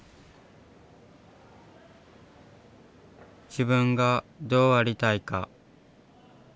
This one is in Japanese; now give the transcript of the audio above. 自分がどうありたいか。